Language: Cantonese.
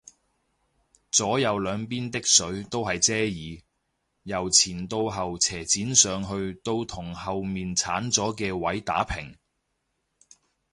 左右兩邊的水都係遮耳，由前到後斜剪上去到同後面剷咗嘅位打平